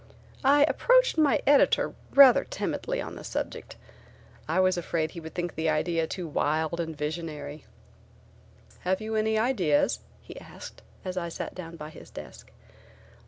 I approached my editor rather timidly on the subject. I was afraid that he would think the idea too wild and visionary. "Have you any ideas?" he asked, as I sat down by his desk.